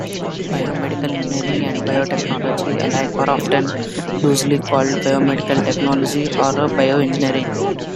Biomedical engineering and Biotechnology alike are often loosely called "Biomedical Technology" or Bioengineering.